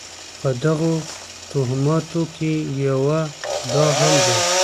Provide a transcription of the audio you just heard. په دغو توهماتو کې یوه دا هم ده.